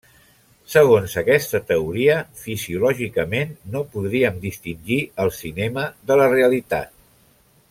Segons aquesta teoria, fisiològicament no podríem distingir el cinema de la realitat.